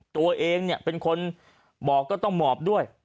ตัวเองเป็นคนหมอบก็ต้องหมอบด้วย